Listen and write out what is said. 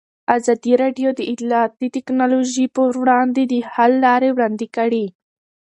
ازادي راډیو د اطلاعاتی تکنالوژي پر وړاندې د حل لارې وړاندې کړي.